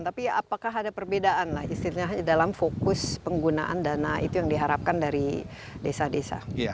tapi apakah ada perbedaan lah istilahnya dalam fokus penggunaan dana itu yang diharapkan dari desa desa